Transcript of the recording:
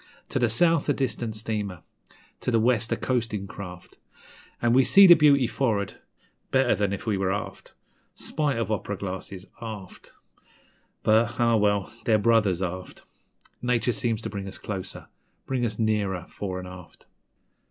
To the south a distant steamer, to the west a coastin' craft, An' we see the beauty for'ard, better than if we were aft; Spite of op'ra glasses, aft; But, ah well, they're brothers aft Nature seems to draw us closer bring us nearer fore 'n' aft.